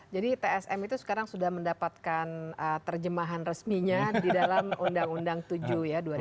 jadi tsm itu sekarang sudah mendapatkan terjemahan resminya di dalam undang undang tujuh ya dua ribu tujuh belas